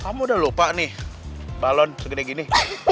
kamu udah lupa nih balon segini gini